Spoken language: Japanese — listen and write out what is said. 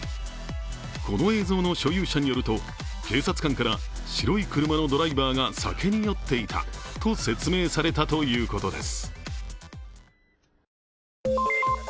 この映像の所有者によると、警察官から白い車のドライバーが酒に酔っていたと説明されたということです。